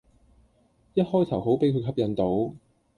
一開頭好俾佢吸引到